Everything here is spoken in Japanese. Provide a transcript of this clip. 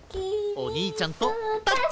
おにいちゃんとタッチ！